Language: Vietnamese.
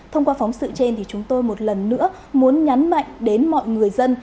thông qua phóng sự trên thì chúng tôi một lần nữa muốn nhấn mạnh đến mọi người dân